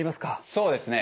そうですね。